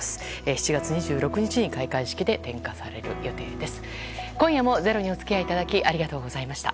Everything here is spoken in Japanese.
７月２６日に開会式で点火される予定です。